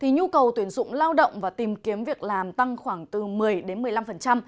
nhu cầu tuyển dụng lao động và tìm kiếm việc làm tăng khoảng từ một mươi đến một mươi năm